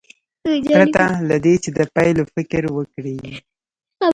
پرته له دې چې د پایلو فکر وکړي.